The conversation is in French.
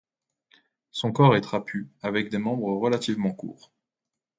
Son corps est trapu avec des membres relativement courts.